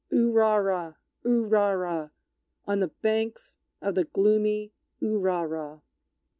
Urara! Urara! On the banks of the gloomy Urara!